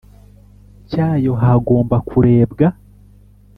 Cyayo hagomba kurebwa